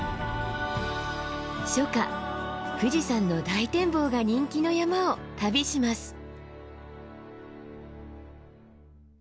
初夏富士山の大展望が人気の山を旅します。